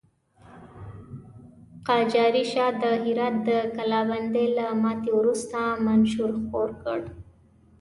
قاجاري شاه د هرات د کلابندۍ له ماتې وروسته منشور خپور کړ.